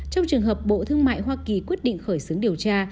trong trường hợp bộ thương mại hoa kỳ quyết định khởi xướng điều tra